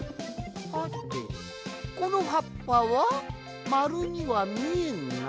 はてこのはっぱはまるにはみえんが？